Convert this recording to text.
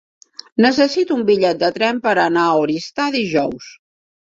Necessito un bitllet de tren per anar a Oristà dijous.